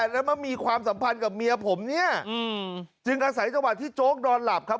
แล้วมามีความสัมพันธ์กับเมียผมเนี่ยจึงอาศัยจังหวัดที่โจ๊กนอนหลับครับ